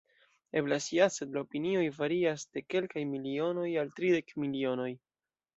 Eblas ja, sed la opinioj varias de kelkaj milionoj al tridek milionoj!